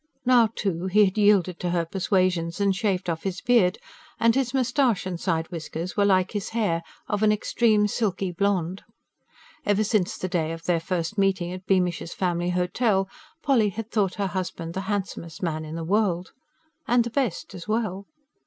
Now, too, he had yielded to her persuasions and shaved off his beard; and his moustache and side whiskers were like his hair, of an extreme, silky blond. Ever since the day of their first meeting at Beamish's Family Hotel, Polly had thought her husband the handsomest man in the world. And the best, as well.